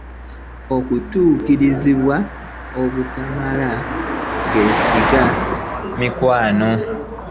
Okutukubiriza obutamala geesiga mikwano.